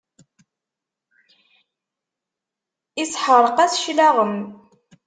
Isḥeṛq-as claɣem.